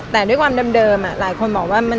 แต่ด้วยความเดิมหลายคนบอกว่า